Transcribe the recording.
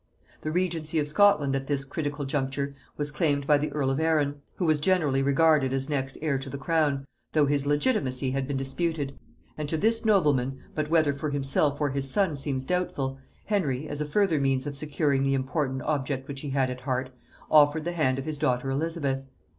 The regency of Scotland at this critical juncture was claimed by the earl of Arran, who was generally regarded as next heir to the crown, though his legitimacy had been disputed; and to this nobleman, but whether for himself or his son seems doubtful, Henry, as a further means of securing the important object which he had at heart, offered the hand of his daughter Elizabeth.